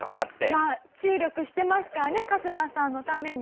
まあ注力してますからね春日さんのために。